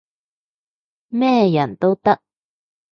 咩人都得